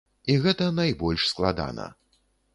І гэта найбольш складана.